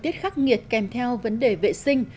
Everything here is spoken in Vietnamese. tiết khắc nghiệt kèm theo vấn đề vệ sinh